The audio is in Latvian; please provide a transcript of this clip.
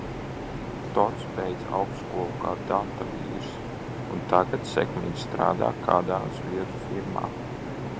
Tots beidza augstskolu kā data vīrs, un tagad sekmīgi strādā kādā zviedru firmā.